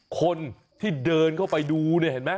คนที่เดินเข้าไปดูเนี่ยเห็นไหม